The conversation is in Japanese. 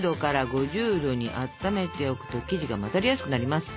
℃にあっためておくと生地が混ざりやすくなります。